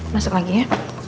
masuk lagi ya